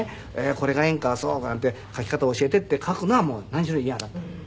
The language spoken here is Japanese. これが演歌そうかなんて書き方教えてって書くのは何しろ嫌だったの。